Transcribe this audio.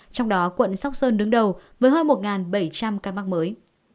trong đó quận sóc sơn đứng đầu với hơn một bảy trăm linh ca mắc mới